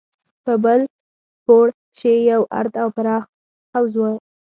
په بل پوړ کښې يو ارت او پراخ حوض و.